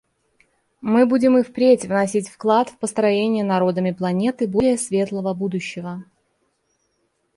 Мы будем и впредь вносить вклад в построение народами планеты более светлого будущего.